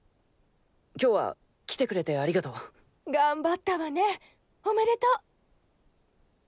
今日は来てくれてありがとう。頑張ったわねおめでとう。